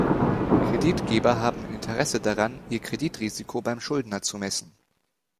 Kreditgeber haben ein Interesse daran, ihr Kreditrisiko beim Schuldner zu messen.